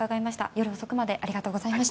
夜遅くまでありがとうございました。